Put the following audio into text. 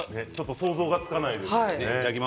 想像がつかないですよね。